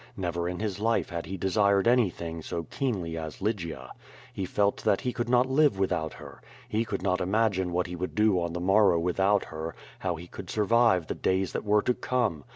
Never in his life had he desired anything so keenly as Lygia. He felt that he could not live without her. He could not imagine what lie would do on the morrow without her, how he could sur Yive the days that were to come.